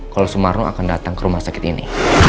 kalau sumarno akan datang ke rumah sakit ini